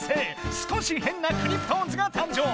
少しへんなクリプトオンズが誕生！